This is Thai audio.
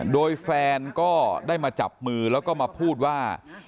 โดยแฟนก็ได้มาจับมือแล้วก็มาพูดว่า